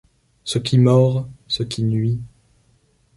Ce qui mord, ce qui nuit.